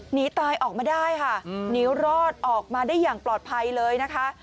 หนีตายออกมาได้ค่ะหนีรอดออกมาได้อย่างปลอดภัยเลยนะคะ